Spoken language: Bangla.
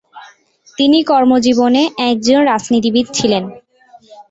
তিনি কর্মজীবনে একজন রাজনীতিবিদ ছিলেন।